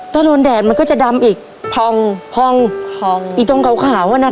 ถ้าโดนแดดมันก็จะดำอีกพองพองพองอีกตรงขาวขาวอ่ะน่ะ